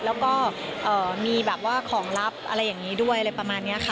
แล้วก็มีแบบว่าของลับอะไรอย่างนี้ด้วยอะไรประมาณนี้ค่ะ